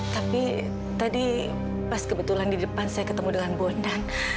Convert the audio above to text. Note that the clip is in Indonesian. tapi tadi pas kebetulan di depan saya ketemu dengan bondang